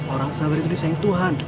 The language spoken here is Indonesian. orang sabar itu disayang tuhan